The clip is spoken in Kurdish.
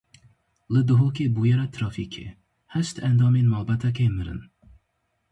Li Duhokê bûyera trafîkê: heşt endamên malbatekê mirin.